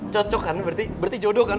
cocok kan berarti jodoh kan